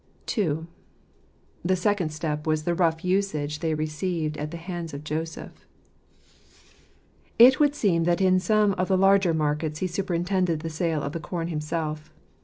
II. The Second Step was the Rough Usage they Received at the Hands of Joseph. — It would seem that in some of the larger markets he superintended the sale of the corn himself.